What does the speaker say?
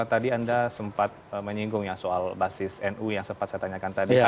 tadi anda sempat menyinggung ya soal basis nu yang sempat saya tanyakan tadi